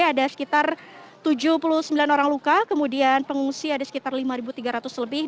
ada sekitar tujuh puluh sembilan orang luka kemudian pengungsi ada sekitar lima tiga ratus lebih